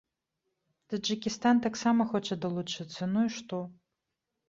Таджыкістан таксама хоча далучыцца, ну і што?